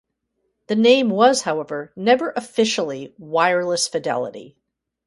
The name was however never officially "Wireless Fidelity".